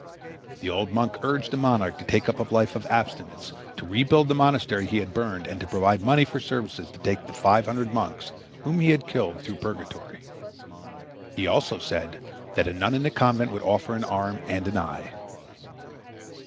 The old monk urged the monarch to take up a life of abstinence, to rebuild the monastery he had burned, and to provide money for services to take the five hundred monks whom he had killed through purgatory. He also said that a nun in the convent would offer an arm and an eye.